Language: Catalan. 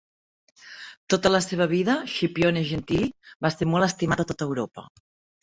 Tota la seva vida, Scipione Gentili va ser molt estimat a tota Europa.